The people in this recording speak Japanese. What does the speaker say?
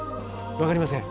分かりません。